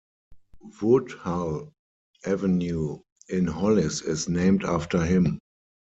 Woodhull Avenue in Hollis is named after him.